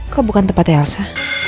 kok bukan tempat elsa